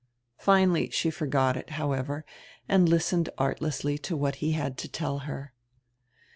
Finally she forgot it, however, and listened ardessly to what he had to tell her.